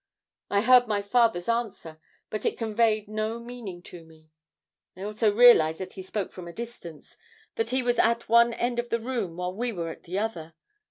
"I heard my father's answer, but it conveyed no meaning to me. I also realized that he spoke from a distance, that he was at one end of the room while we were at the other.